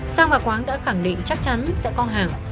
sang và quãng đã khẳng định chắc chắn sẽ có hàng